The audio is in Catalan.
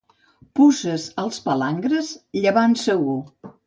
Puces als palangres, llevant segur.